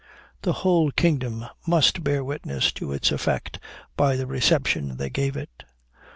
The whole kingdom must bear witness to its effect, by the reception they gave it.